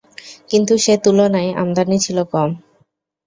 কিন্তু সে তুলনায় আমদানী ছিল কম।